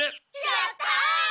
やった！